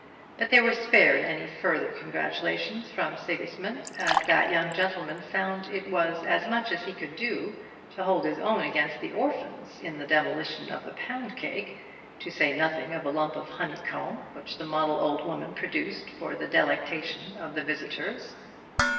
But they were spared any further congratulations from Sigismund, as that young gentleman found it was as much as he could do to hold his own against the orphans in the demolition of the poundcake, to say nothing of a lump of honeycomb which the model old woman produced for the delectation of the visitors.